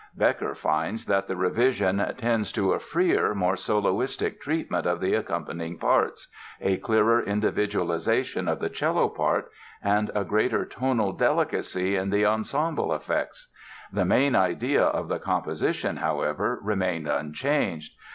Bekker finds that the revision "tends to a freer, more soloistic treatment of the accompanying parts, a clearer individualization of the cello part and a greater tonal delicacy in the ensemble effects.... The main idea of the composition, however, remained unchanged.